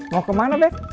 mau kemana bet